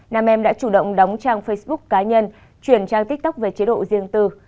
nam em đã chủ động đóng trang facebook cá nhân chuyển trang tiktok về chế độ riêng tư